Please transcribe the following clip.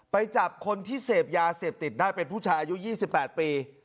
ไปจับคนที่เสพยาเสพติดได้เป็นผู้ชายอายุ๒๘ปี